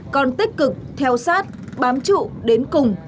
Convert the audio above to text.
còn tích cực theo sát bám trụ đến cùng